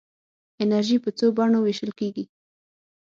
انرژي په څو بڼو ویشل کېږي.